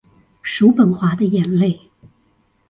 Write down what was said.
叔本華的眼淚